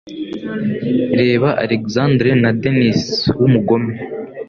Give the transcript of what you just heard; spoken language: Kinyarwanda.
reba Alexandre na Denis w'umugome